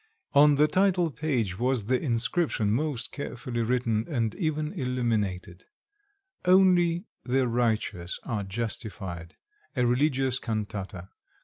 On the title page was the inscription, most carefully written and even illuminated, "Only the righteous are justified. A religious cantata.